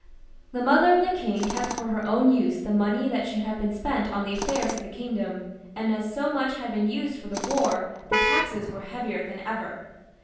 The mother of the king kept for her own use the money that should have be6n spent on the affairs of the kingdom, and as so much had been used for the war, the taxes were heavier than ever.